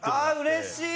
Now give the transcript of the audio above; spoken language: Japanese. うれしい？